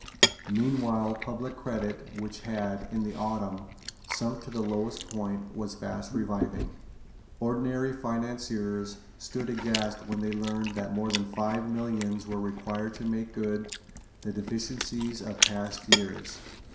Meanwhile public credit, which had, in the autumn, sunk to the lowest point, was fast reviving. Ordinary financiers stood aghast when they learned that more than five millions were required to make good the deficiencies of past years.